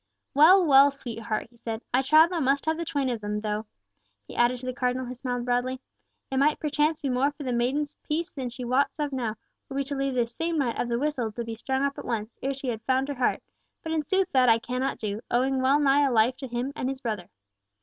"Well, well, sweetheart," he said, "I trow thou must have the twain of them, though," he added to the Cardinal, who smiled broadly, "it might perchance be more for the maid's peace than she wots of now, were we to leave this same knight of the whistle to be strung up at once, ere she have found her heart; but in sooth that I cannot do, owing well nigh a life to him and his brother.